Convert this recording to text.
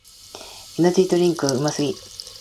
エナジードリンクうますぎ